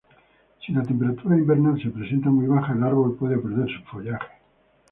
Si la temperatura invernal se presenta muy baja el árbol puede perder su follaje.